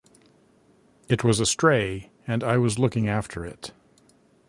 It was a stray and I was looking after it.